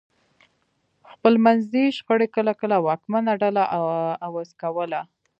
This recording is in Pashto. خپلمنځي شخړې کله کله واکمنه ډله عوض کوله.